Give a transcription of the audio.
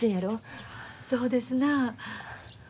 そうですなあ。